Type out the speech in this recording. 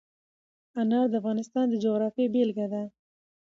انار د افغانستان د جغرافیې بېلګه ده.